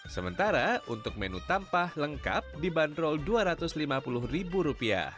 sementara untuk menu tampah lengkap dibanderol rp dua ratus lima puluh